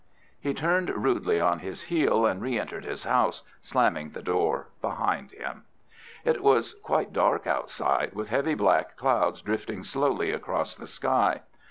He turned rudely on his heel and re entered his house, slamming the door behind him. It was quite dark outside, with heavy black clouds drifting slowly across the sky.